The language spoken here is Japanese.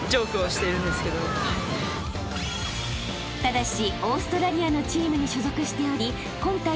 ［ただし］